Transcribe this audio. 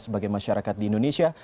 sebagai masyarakat di indonesia